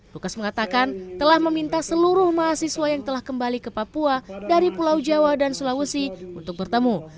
lukas mengatakan telah meminta seluruh mahasiswa yang telah kembali ke papua dari pulau jawa dan sulawesi untuk bertemu